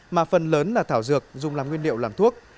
mà phần lớn là thảo dược dùng làm nguyên liệu làm thuốc